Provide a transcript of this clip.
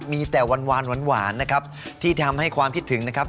มีแต่หวานนะครับที่ทำให้ความคิดถึงนะครับ